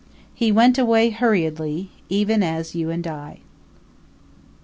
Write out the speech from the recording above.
He went away hurriedly even as you and I.